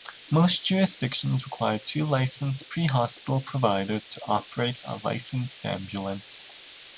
Most jurisdictions require two licensed prehospital providers to operate a licensed ambulance.